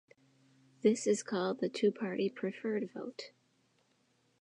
This is called the two-party-preferred vote.